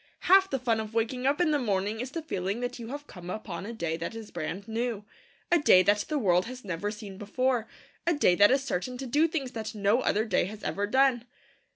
Half the fun of waking up in the morning is the feeling that you have come upon a day that is brand new, a day that the world has never seen before, a day that is certain to do things that no other day has ever done.